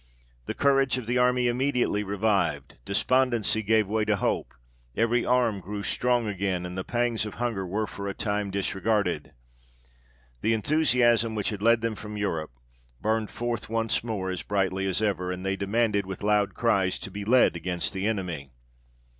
The courage of the army immediately revived; despondency gave way to hope; every arm grew strong again, and the pangs of hunger were for a time disregarded. The enthusiasm which had led them from Europe, burned forth once more as brightly as ever, and they demanded, with loud cries, to be led against the enemy.